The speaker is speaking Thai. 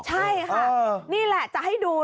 ใช่ค่ะนี่แหละจะให้ดู